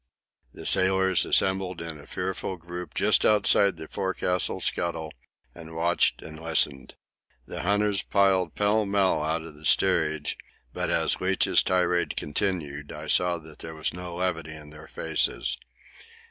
The sailors assembled in a fearful group just outside the forecastle scuttle and watched and listened. The hunters piled pell mell out of the steerage, but as Leach's tirade continued I saw that there was no levity in their faces.